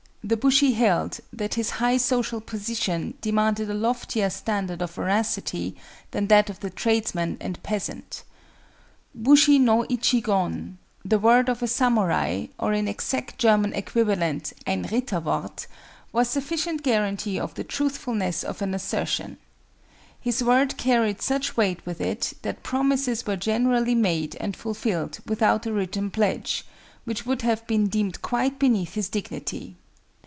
The bushi held that his high social position demanded a loftier standard of veracity than that of the tradesman and peasant. Bushi no ichi gon—the word of a samurai or in exact German equivalent ein Ritterwort—was sufficient guaranty of the truthfulness of an assertion. His word carried such weight with it that promises were generally made and fulfilled without a written pledge, which would have been deemed quite beneath his dignity.